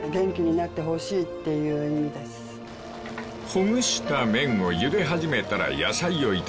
［ほぐした麺をゆで始めたら野菜を炒める］